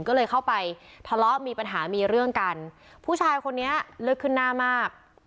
ก็เลยเข้าไปทะเลาะมีปัญหามีเรื่องกันผู้ชายคนนี้เลือดขึ้นหน้ามาก